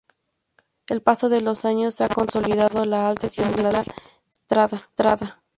El paso de los años ha consolidado la alta estimación de La Strada.